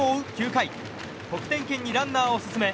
９回得点圏にランナーを進め